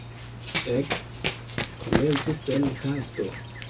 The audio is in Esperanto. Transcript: Ek, komencu sen hasto.